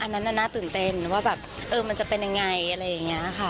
อันนั้นน่ะน่าตื่นเต้นว่าแบบเออมันจะเป็นยังไงอะไรอย่างนี้ค่ะ